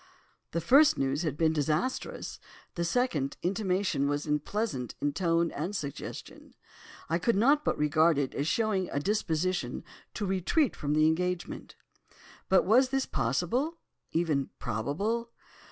"The first news had been disastrous; the second intimation was unpleasant in tone and suggestion. I could not but regard it as showing a disposition to retreat from the engagement. But was this possible—even probable?